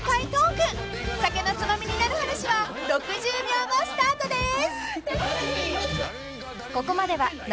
［『酒のツマミになる話』は６０秒後スタートです！］